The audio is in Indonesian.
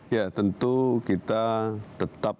ya tentu kita tetap